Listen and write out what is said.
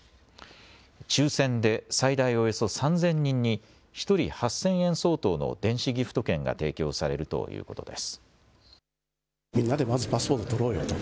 抽せんで最大およそ３０００人に１人８０００円相当の電子ギフト券が提供されるということです。